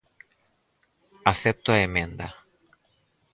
Acepto a emenda.